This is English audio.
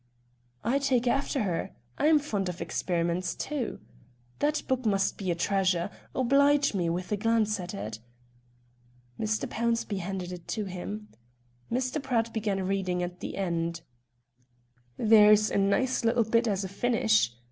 "I take after her; I'm fond of experiments too. That book must be a treasure. Oblige me with a glance at it." Mr. Pownceby handed it to him. Mr. Pratt began reading at the end. "There's a nice little bit as a finish."